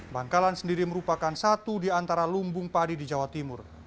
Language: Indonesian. bangkalan sendiri merupakan satu di antara lumbung padi di jawa timur